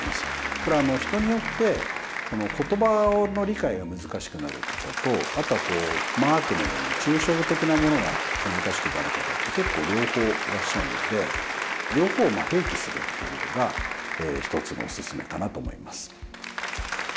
これは人によって言葉の理解が難しくなる方とあとはこうマークのような抽象的なものが難しくなる方って結構両方いらっしゃるので両方を併記するということが一つのおすすめかなと思います。